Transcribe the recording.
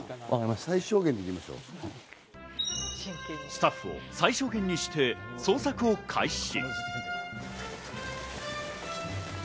スタッフを最小限にして捜索を開始。